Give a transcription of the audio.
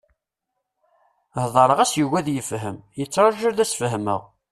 Heddṛeɣ-as yugi ad yefhem, yettṛaǧu ad as-fehmeɣ!